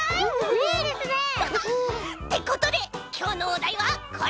いいですね！ってことできょうのおだいはこれ！